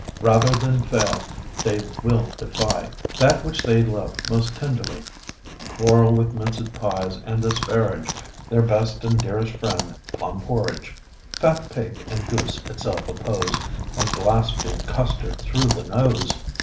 Rather than fail, they will defy That which they love most tenderly: Quarrel with minc'd pies, and disparage Their best and dearest friend plum porridge; Fat pig and goose itself oppose, And blaspheme custard through the nose.